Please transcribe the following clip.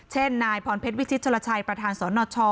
เช่นนายพรเพชรวิชิตชศาลชายประธานสวนสนช